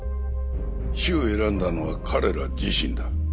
死を選んだのは彼ら自身だ。